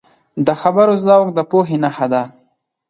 د خبرو ذوق د پوهې نښه ده